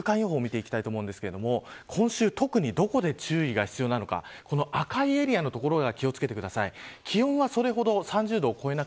ではこの後週間予報を見ていきたいと思いますが今週、特にどこで注意が必要なのか赤いエリアの所に気を付けてください。